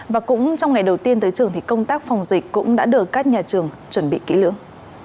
và cũng trong ngày đầu tiên tới trường thì công tác phòng dịch cũng đã được các nhà trường chuẩn bị kỹ lưỡng